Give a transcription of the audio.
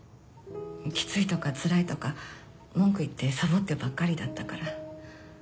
きついとかつらいとか文句言ってサボってばっかりだったから。